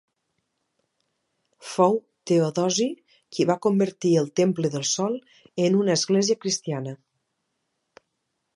Fou Teodosi qui va convertir el temple del Sol en una església cristiana.